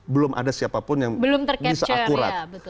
belum ada siapapun yang bisa akurat